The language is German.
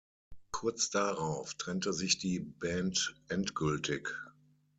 Kurz darauf trennte sich die Band endgültig.